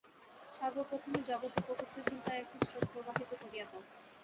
সর্বপ্রথমে জগতে পবিত্র চিন্তার একটি স্রোত প্রবাহিত করিয়া দাও।